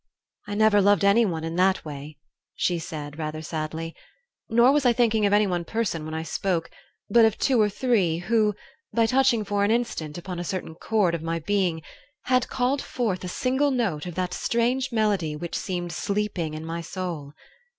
"I never loved anyone, in that way," she said, rather sadly, "nor was I thinking of any one person when I spoke, but of two or three who, by touching for an instant upon a certain chord of my being, had called forth a single note of that strange melody which seemed sleeping in my soul.